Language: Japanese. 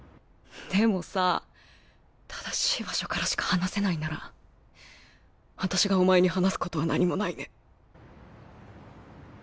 でもさ正しい場所からしか話せないなら私がお前に話すことは何もないね。